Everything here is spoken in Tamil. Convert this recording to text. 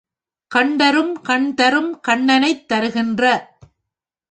கண்டரும்—கண் தரும்— கண்ணைத் தருகின்ற.